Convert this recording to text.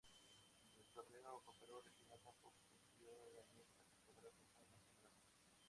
En el tornero copero regional tampoco consiguió, en esta temporada, pasar la primera fase.